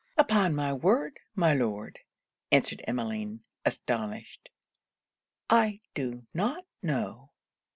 'Upon my word, my Lord,' answered Emmeline, astonished, 'I do not know.